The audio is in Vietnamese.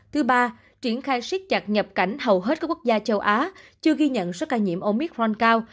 thứ ba triển khai siết chặt nhập cảnh hầu hết các quốc gia châu á chưa ghi nhận số ca nhiễm omithron cao